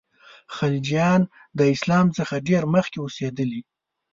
خلجیان د اسلام څخه ډېر مخکي اوسېدلي.